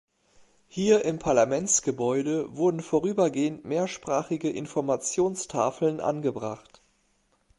Hier im Parlamentsgebäude wurden vorübergehend mehrsprachige Informationstafeln angebracht.